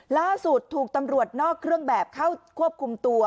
ล่าสุดถูกตำรวจนอกเครื่องแบบเข้าควบคุมตัว